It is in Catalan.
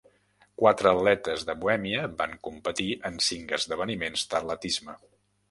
Quatre atletes de Bohèmia van competir en cinc esdeveniments d'atletisme.